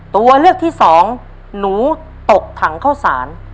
ตัวเลือกที่สองหนูตกถังเข้าสาร